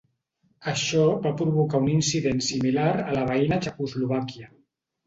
Això va provocar un incident similar a la veïna Txecoslovàquia.